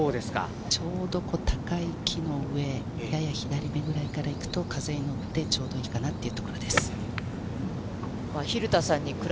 ちょうど高い木の上、やや左めぐらいからいくと風に乗って、ちょうどいいかなというところです。